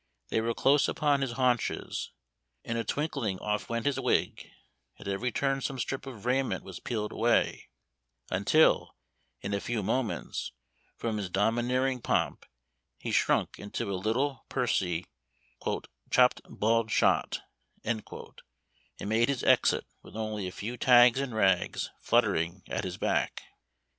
They were close upon his haunches; in a twinkling off went his wig; at every turn some strip of raiment was peeled away, until in a few moments, from his domineering pomp, he shrunk into a little, pursy, "chopp'd bald shot," and made his exit with only a few tags and rags fluttering at his back.